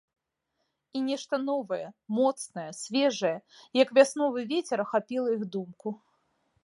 І нешта новае, моцнае, свежае, як вясновы вецер, ахапіла іх думку.